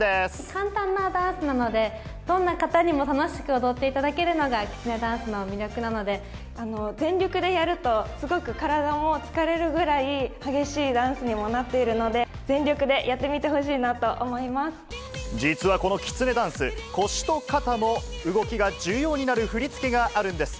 簡単なダンスなので、どんな方にも楽しく踊っていただけるのがきつねダンスの魅力なの全力でやると、すごく体も疲れるぐらい激しいダンスにもなっているので、全力で実はこのきつねダンス、腰と肩の動きが重要になる振り付けがあるんです。